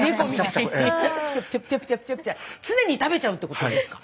常に食べちゃうってことですか？